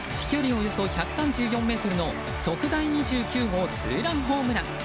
およそ１３４ｍの特大２９号ツーランホームラン！